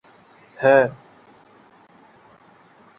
জবাব দিলেন "হ্যাঁ"।